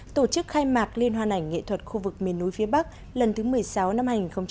tổ chức khai mạc liên hoan ảnh nghệ thuật khu vực miền núi phía bắc lần thứ một mươi sáu năm hai nghìn một mươi chín